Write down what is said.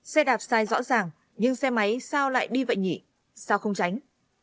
xe đạp sai rõ ràng nhưng xe máy sao lại đi vậy nhỉ sao không tránh